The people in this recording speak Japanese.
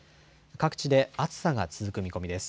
各地で暑さが続く見込みです。